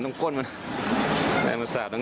บางคนเขาไม่เอาก้นออกเหม็นตรงก้น